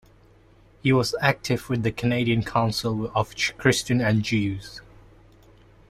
He was active with the Canadian Council of Christians and Jews.